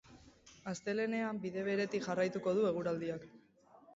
Astelehenean bide beretik jarraituko du eguraldiak.